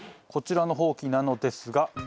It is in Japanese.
こちらのほうきなのですが。